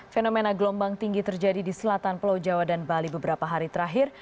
fenomena gelombang tinggi terjadi di selatan pulau jawa dan bali beberapa hari terakhir